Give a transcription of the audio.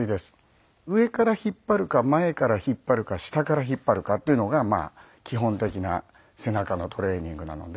上から引っ張るか前から引っ張るか下から引っ張るかっていうのがまあ基本的な背中のトレーニングなので。